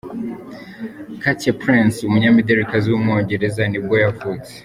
Katie Price, umunyamidelikazi w’umwongereza ni bwo yavutse.